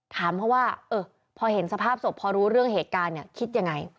ถามเขาว่าพอเห็นสภาพศพพอรู้เรื่องเหตุการณ์เนี่ยคิดยังไง